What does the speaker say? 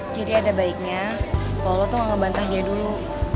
jadi ada baiknya kalo lo tuh gak ngebantah dia dulu